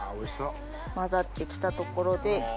混ざって来たところで。